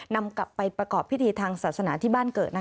นำกลับไปประกอบพิธีทางศาสนาที่บ้านเกิด